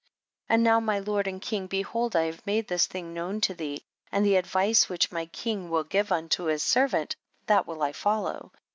21. And now my lord and\mg, behold I have made this thing known to thee, and the advice which my king will give unto his servant, that will I follow.